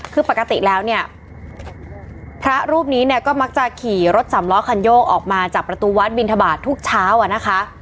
คือปกติแล้วเนี่ยพระรูปนี้เนี่ยก็มักจะขี่รถสำล้อคันโยกออกมาจากประตูวัดบินทบาททุกเช้าอ่ะนะคะ